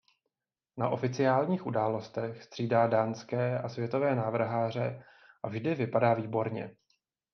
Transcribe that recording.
Na oficiálních událostech střídá dánské a světové návrháře a vždy vypadá výborně.